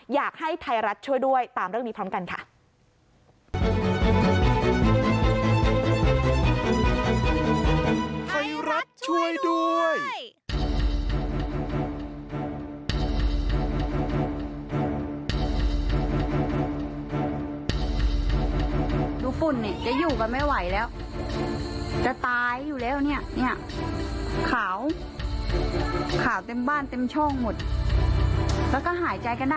อยากให้ไทยรัฐช่วยด้วยตามเรื่องนี้พร้อมกันค่ะ